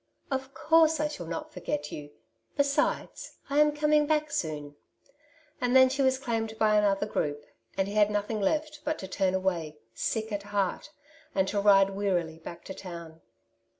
^' Of course I shall not forget you; besides I am coming back soon ;'' and then she was claimed by another group, and he had nothing left but to turn away, sick at heart, and to ride wearily back to town.